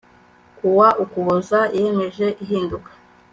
kuwa Ukuboza yemeje ihinduka